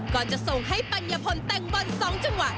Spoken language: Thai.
ก่อนจะส่งให้ปัญญพลแต่งบอนสองจังหวะ